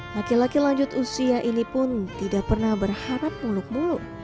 laki laki lanjut usia ini pun tidak pernah berharap muluk muluk